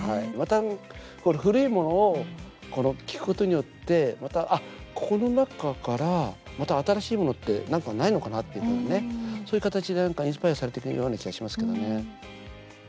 また古いものを聴くことによってまた、この中からまた新しいものってなんかないのかなっていうかね、そういう形でインスパイアされてくような気がしますけどね。